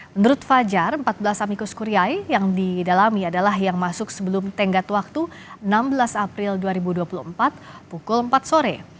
menurut fajar empat belas amikus kuriai yang didalami adalah yang masuk sebelum tenggat waktu enam belas april dua ribu dua puluh empat pukul empat sore